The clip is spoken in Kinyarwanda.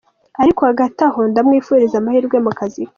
Ariko hagati aho ndamwifuriza amahirwe mu kazi ke.